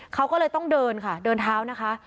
เขาก็เลยต้องเดินค่ะเดินเท้านะคะ